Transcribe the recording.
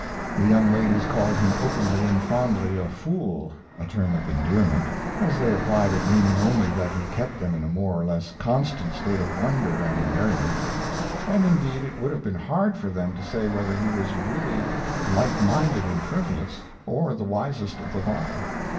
The young ladies called him openly and fondly a "fool" a term of endearment, as they applied it meaning only that he kept them in a more or less constant state of wonder and merriment; and indeed it would have been hard for them to say whether he was really light minded and frivolous or the wisest of them all.